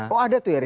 oh ada tuh ya rian